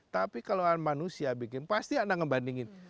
tapi kalau anda manusia bikin pasti anda ngebandingin